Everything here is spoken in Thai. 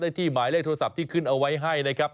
ที่หมายเลขโทรศัพท์ที่ขึ้นเอาไว้ให้นะครับ